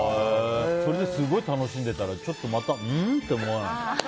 それで、すごい楽しんでたらまた、うん？って思わない。